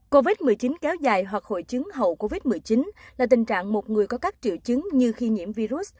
covid một mươi chín kéo dài hoặc hội chứng hậu covid một mươi chín là tình trạng một người có các triệu chứng như khi nhiễm virus